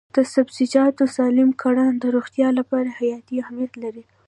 د سبزیجاتو سالم کرنه د روغتیا لپاره حیاتي اهمیت لري.